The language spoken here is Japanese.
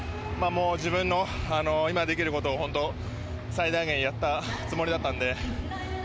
自分の今できることを本当、最大限やったつもりだったので。